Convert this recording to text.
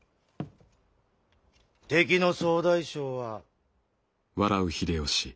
敵の総大将は。